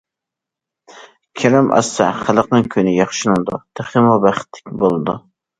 كىرىم ئاشسا، خەلقنىڭ كۈنى ياخشىلىنىدۇ، تېخىمۇ بەختلىك بولىدۇ.